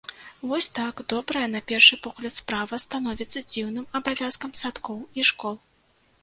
Вось так добрая на першы погляд справа становіцца дзіўным абавязкам садкоў і школ.